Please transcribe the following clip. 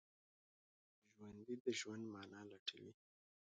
ژوندي د ژوند معنی لټوي